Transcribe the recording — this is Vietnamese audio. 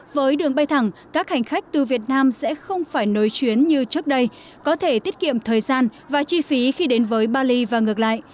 với đường bay thẳng các hành khách từ việt nam sẽ không phải nối chuyến như trước đây có thể tiết kiệm thời gian và chi phí khi đến với bali và ngược lại